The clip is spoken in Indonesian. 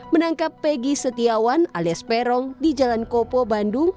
menangkap pegi setiawan alias peron di jalan kopo bandung